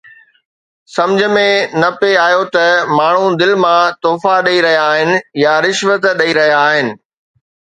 سمجهه ۾ نه پئي آيو ته ماڻهو دل مان تحفا ڏئي رهيا آهن يا رشوت ڏئي رهيا آهن